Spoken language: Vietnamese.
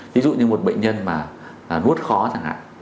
thí dụ như một bệnh nhân mà nuốt khó chẳng hạn